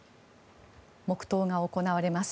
黙祷が行われます。